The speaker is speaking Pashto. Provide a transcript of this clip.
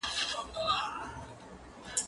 زه پرون ليکلي پاڼي ترتيب کوم